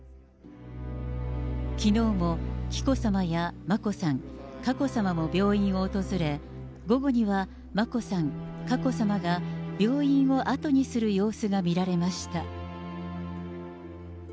きのうも紀子さまや、眞子さん、佳子さまも病院を訪れ、午後には眞子さん、佳子さまが病院を後にする様子が見られました。